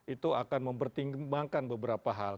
itu akan mempertimbangkan beberapa hal